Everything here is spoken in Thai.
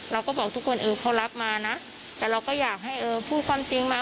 เราก็บอกทุกคนเออเขารับมานะแต่เราก็อยากให้เออพูดความจริงมา